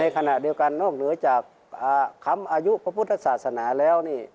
ขณะเดียวกันนอกเหนือจากคำอายุพระพุทธศาสนาแล้วนี่